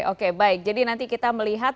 oke baik jadi nanti kita melihat